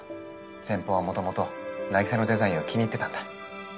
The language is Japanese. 先方は元々凪沙のデザインを気に入ってたんだ。